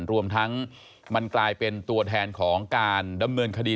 รวมทั้งมันกลายเป็นตัวแทนของการดำเนินคดี